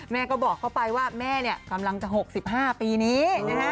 แม่ก็บอกเขาไปว่าแม่กำลังจะ๖๕ปีนี้